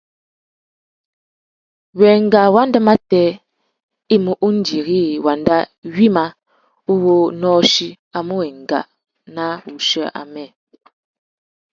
Wenga wanda matê i mú undiri wanda wïmá uwú nôchï a mú enga na wuchiô amê.